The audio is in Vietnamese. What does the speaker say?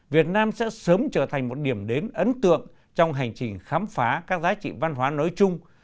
việt nam sẽ sớm trở thành một điểm đến ấn tượng trong hành trình khám phá các giá trị văn hóa nói chung